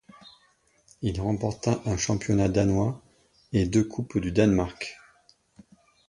Il remporta un championnat danois et deux coupes du Danemark.